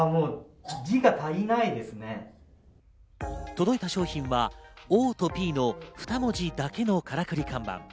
届いた商品は「Ｏ」と「Ｐ」の２文字だけのからくり看板。